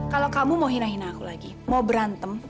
kalau kamu mau hina hina aku lagi mau berantem